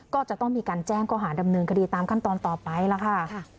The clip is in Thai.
ก็จะต้องมีการแจ้งข้อหาดำเนินคดีตามขั้นตอนต่อไปล่ะค่ะ